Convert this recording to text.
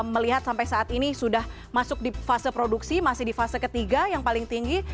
melihat sampai saat ini sudah masuk di fase produksi masih di fase ketiga yang paling tinggi